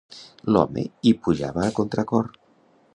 L'home hi pujava a contracor.